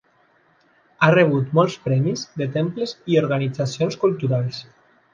Ha rebut molts premis de temples i organitzacions culturals.